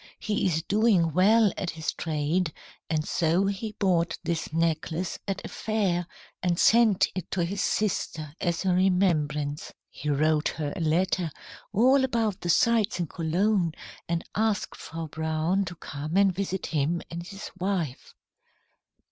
He is doing well at his trade, and so he bought this necklace at a fair and sent it to his sister as a remembrance. He wrote her a letter all about the sights in Cologne, and asked Frau Braun to come and visit him and his wife.